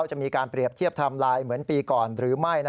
จะมีการเปรียบเทียบไทม์ไลน์เหมือนปีก่อนหรือไม่